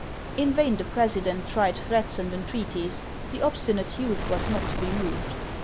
In vain the president tried threats and entreaties ; the obstinate youth was not to be moved.